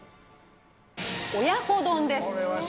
親子丼です。